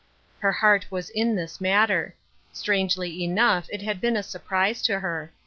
Her heart was in this matter. Strangely enough it had been a surprise to her.